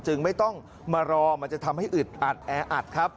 จึงไม่ต้องมารอมันทำให้มันอึดอัดแอด